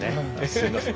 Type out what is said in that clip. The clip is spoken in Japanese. すいません。